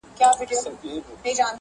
o دادی اوس هم کومه، بيا کومه، بيا کومه.